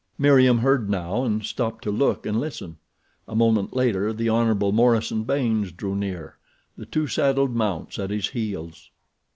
Meriem heard now and stopped to look and listen. A moment later the Hon. Morison Baynes drew near, the two saddled mounts at his heels.